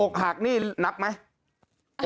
อกหักนี่นับไหม